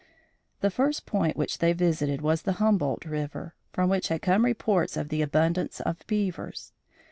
The first point which they visited was the Humboldt River, from which had come reports of the abundance of beavers.